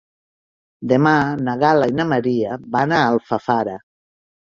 Demà na Gal·la i na Maria van a Alfafara.